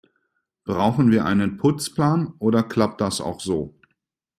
Brauchen wir einen Putzplan, oder klappt das auch so?